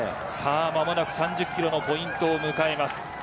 間もなく３０キロのポイントを迎えます。